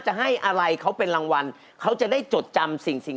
ขอบคุณตอนที่เชียร์หนู